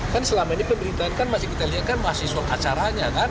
kan selama ini pemberitaan kan masih kita lihat kan mahasiswa acaranya kan